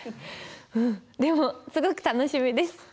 うんでもすごく楽しみです！